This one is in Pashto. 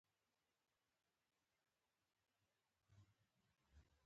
یوازې موږ وو او د څپو پر پاسه مو په زور پارو واهه.